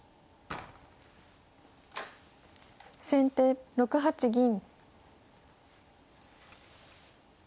先手６八銀。